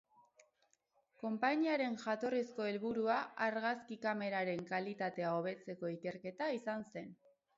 Konpainiaren jatorrizko helburua argazki kameraren kalitatea hobetzeko ikerketa izan zen.